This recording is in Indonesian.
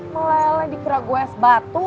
meleleh dikira gue es batu